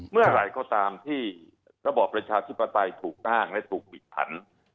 เมื่อไหร่ก็ตามที่ระบอบประชาธิปไตยถูกอ้างและถูกบิดผัน